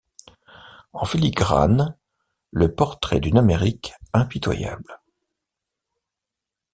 En filigrane, le portrait d'une Amérique impitoyable.